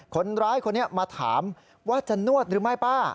คนร้ายคนนี้มาถามว่าจะนวดหรือไม่ป้า